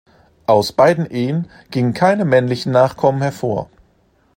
Aus beiden Ehen gingen keine männlichen Nachkommen hervor.